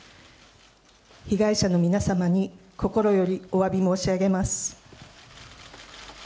被害者の皆様に心よりおわび申し上げます。